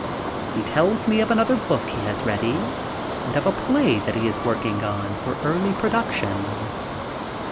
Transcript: He tells me of another book that he has ready and of a play that he is working on for early production.